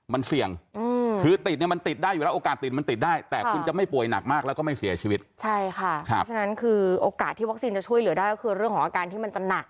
มันเสี่ยงคือติดเนี่ยมันติดได้อยู่แล้วโอกาสติดมันติดได้